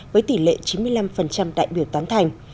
với tỷ lệ chín mươi năm đại biểu tán thành